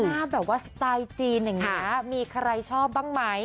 หน้าแบบว่าสไตล์จีนอย่างนี้มีใครชอบบ้างไหม